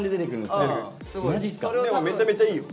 でもめちゃめちゃいいよ